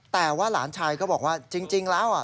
แต่ว่าหลานชายก็บอกว่าจริงแล้ว